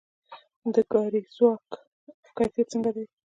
د کاري ځواک کیفیت څنګه دی؟